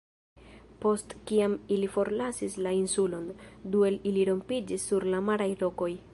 Post kiam ili forlasis la insulon, du el ili rompiĝis sur la maraj rokoj.